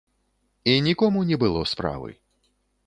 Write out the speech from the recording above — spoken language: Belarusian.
І нікому не было справы.